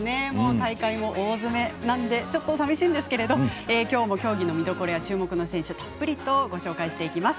大会も大詰めなのでちょっとさみしいんですけれどきょうも競技の見どころや注目の選手をたっぷりとご紹介します。